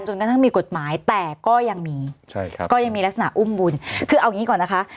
กระทั่งมีกฎหมายแต่ก็ยังมีใช่ครับก็ยังมีลักษณะอุ้มบุญคือเอางี้ก่อนนะคะ